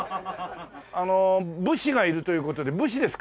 あの武士がいるという事で武士ですか？